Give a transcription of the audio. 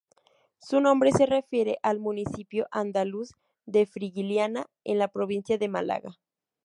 Su nombre se refiere al municipio andaluz de Frigiliana, en la provincia de Málaga.